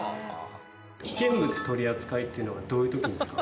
危険物取扱っていうのはどういう時に使う？